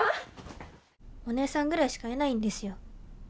おねえさんぐらいしかいないんですよ